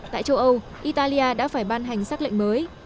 tại châu âu italia đã phải ban hành xác lệnh mới